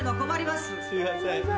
すいません。